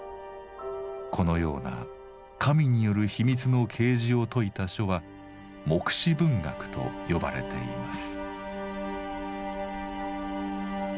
このような神による「秘密の啓示」を説いた書は「黙示文学」と呼ばれています。